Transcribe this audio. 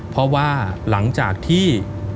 เพราะว่าหลังจากที่